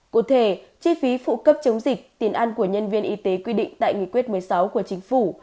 cụ thể chi phí phụ cấp chống dịch tiền ăn của nhân viên y tế quy định tại nghị quyết một mươi sáu của chính phủ